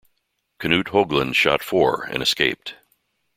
Knut Haugland shot four, and escaped.